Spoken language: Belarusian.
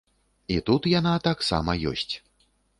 І тут яна таксама ёсць.